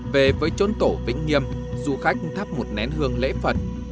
về với chốn tổ vĩnh nghiêm du khách thắp một nén hương lễ phật